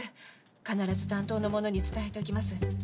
必ず担当の者に伝えておきます。